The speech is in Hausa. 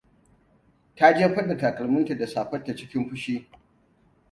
Ta jefar da takalminta da safarta cikin fushi.